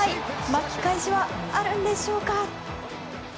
巻き返しはあるんでしょうか。